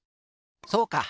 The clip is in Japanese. そうか！